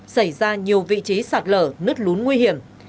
xảy ra nhiều vị trí sạt lở nứt lún nguy hiểm